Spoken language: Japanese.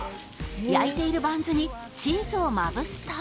焼いているバンズにチーズをまぶすと